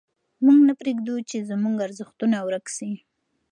موږ نه پرېږدو چې زموږ ارزښتونه ورک سي.